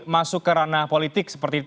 masuk ke ranah politik seperti itu